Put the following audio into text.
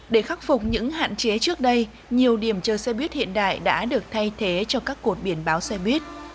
để khắc phục những hạn chế trước đây nhiều điểm chờ xe buýt hiện đại đã được thay thế cho các cột biển báo xe buýt